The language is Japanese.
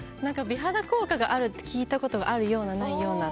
美肌効果があるって聞いたことがあるようなないような。